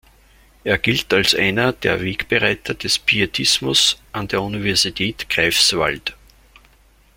Er gilt als einer der Wegbereiter des Pietismus an der Universität Greifswald.